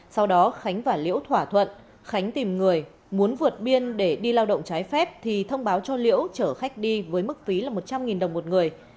sau đó khánh và liễu thỏa thuận khánh tìm người muốn vượt biên để đi lao động trái phép thì thông báo cho liễu chở khách đi với mức phí là một trăm linh đồng một người